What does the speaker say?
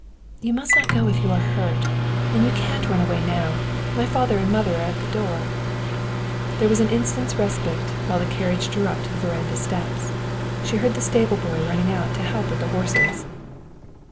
"You must not go if you are hurt and you can't run away now my father and mother are at the door." There was an instant's respite while the carriage drew up to the veranda steps. She heard the stable boy running out to help with the horses.